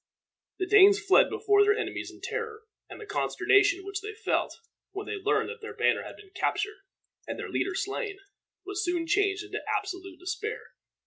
The Danes fled before their enemies in terror, and the consternation which they felt, when they learned that their banner had been captured and their leader slain, was soon changed into absolute despair.